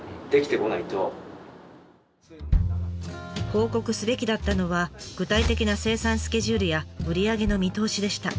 報告すべきだったのは具体的な生産スケジュールや売り上げの見通しでした。